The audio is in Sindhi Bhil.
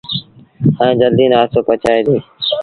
ائيٚݩ جلديٚ نآستو پچائيٚݩ ديٚݩ۔